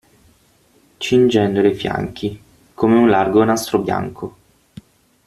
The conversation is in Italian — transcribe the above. Cingendole i fianchi, come un largo nastro bianco.